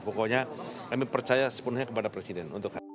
pokoknya kami percaya sepenuhnya kepada presiden